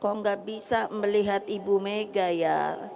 kok nggak bisa melihat ibu mega ya